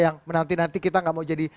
yang nanti nanti kita gak mau jadi